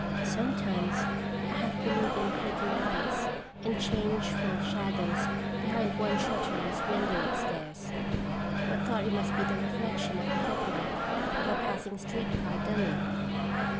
Sometimes I half believed in flitting lights and changeful shadows behind one shutterless window upstairs, but thought it must be the reflection of the headlight of a passing street car dummy.